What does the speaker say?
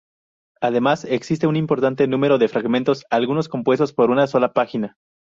Además existe un importante número de fragmentos, algunos compuestos por una sola página.